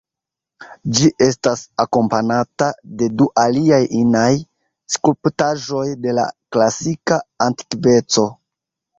Ĝi estas akompanata de du aliaj inaj skulptaĵoj de la klasika antikveco.